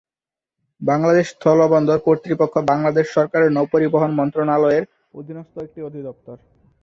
বাংলাদেশ স্থল বন্দর কর্তৃপক্ষ বাংলাদেশ সরকারের নৌপরিবহন মন্ত্রণালয়ের অধীনস্থ একটি অধিদপ্তর।